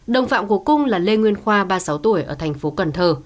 đồng phạm của cung là lê nguyên khoa ba mươi sáu tuổi ở thành phố cần thơ